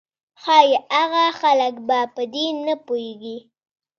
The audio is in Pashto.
ښايي هغه خلک به پر دې نه پوهېږي.